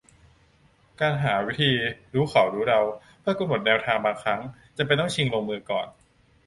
การหาวิธีรู้เขารู้เราเพื่อกำหนดแนวทางบางครั้งจำเป็นต้องชิงลงมือก่อน